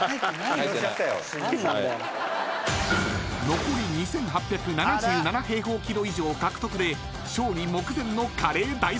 ［残り２，８７７平方ｋｍ以上獲得で勝利目前のカレー大好きチーム］